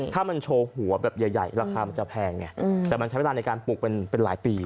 ถ้ามันโชว์หัวแบบใหญ่ราคามันจะแพงไงแต่มันใช้เวลาในการปลูกเป็นหลายปี